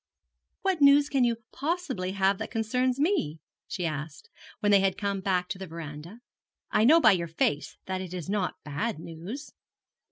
'What news can you possibly have that concerns me?' she asked, when they had come back to the verandah. 'I know by your face that it is not bad news.'